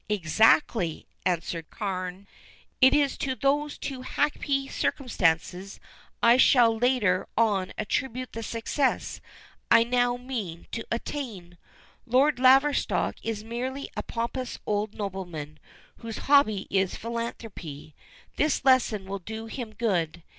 "Exactly," answered Carne. "It is to those two happy circumstances I shall later on attribute the success I now mean to attain. Lord Laverstock is merely a pompous old nobleman, whose hobby is philanthropy. This lesson will do him good.